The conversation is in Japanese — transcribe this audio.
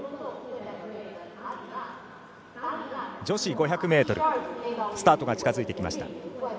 女子５００ｍスタートが近づいてきました。